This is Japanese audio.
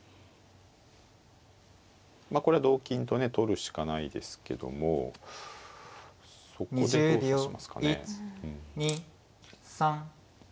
まあこれは同金とね取るしかないですけどもそこでどう指しますかね。